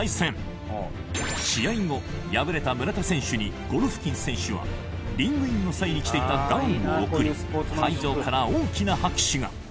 試合後敗れた村田選手にゴロフキン選手はリングインの際に着ていたガウンを贈り会場から大きな拍手が。